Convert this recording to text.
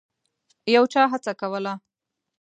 یو چا هڅه کوله.